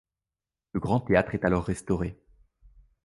Le Grand Théâtre est alors restauré.